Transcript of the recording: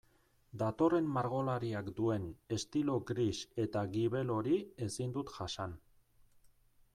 Datorren margolariak duen estilo gris eta gibel hori ezin dut jasan.